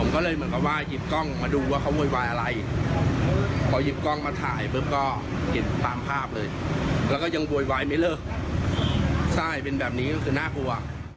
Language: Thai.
เขาก็ยังบ่อยไม่เลิกทรายเป็นแบบนี้น่ากลัว